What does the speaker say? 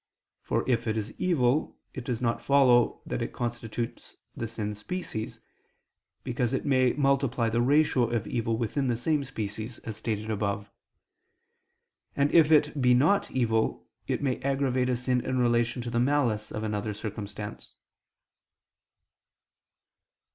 For if it is evil, it does not follow that it constitutes the sin's species; because it may multiply the ratio of evil within the same species, as stated above. And if it be not evil, it may aggravate a sin in relation to the malice of another circumstance.